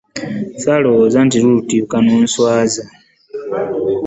Ssaalowooza nti lulituuka n'onswaza.